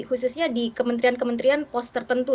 khususnya di kementerian kementerian pos tertentu